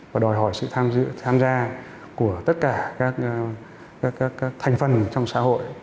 và đòi hỏi sự tham gia của tất cả các thành phần trong xã hội